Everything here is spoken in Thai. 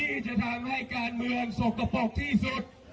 ที่จะทำให้การเมืองสกปรกที่สุด